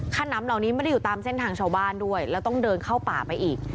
ขนำเหล่านี้ไม่ได้อยู่ตามเส้นทางชาวบ้านด้วยแล้วต้องเดินเข้าป่าไปอีก